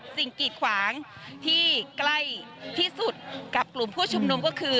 กีดขวางที่ใกล้ที่สุดกับกลุ่มผู้ชุมนุมก็คือ